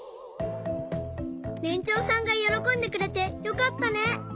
ねんちょうさんがよろこんでくれてよかったね。